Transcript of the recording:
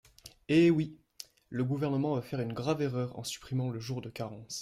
Eh oui ! Le Gouvernement va faire une grave erreur en supprimant le jour de carence.